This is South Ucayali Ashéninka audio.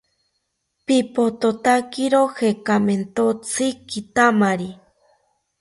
Pipothotakiro jekamentotzi kitamari